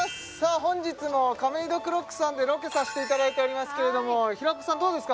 本日もカメイドクロックさんでロケさせていただいておりますけれども平子さんどうですか？